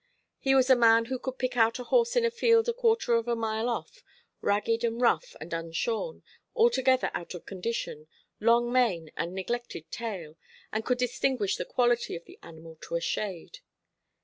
He was a man who could pick out a horse in a field a quarter of a mile off, ragged and rough and unshorn, altogether out of condition, long mane and neglected tail, and could distinguish the quality of the animal to a shade.